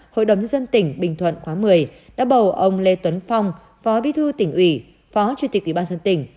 hội đồng dân tỉnh bình thuận khóa một mươi đã bầu ông lê tuấn phong phó bí thư tỉnh ủy phó chủ tịch ủy ban dân tỉnh